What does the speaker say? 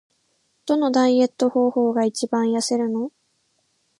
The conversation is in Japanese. どのダイエット方法が一番痩せるの？